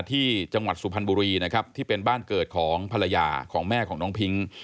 จังหวัดสุพรรณบุรีนะครับที่เป็นบ้านเกิดของภรรยาของแม่ของน้องพิ้ง